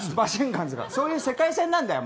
そういう世界線なんだよ。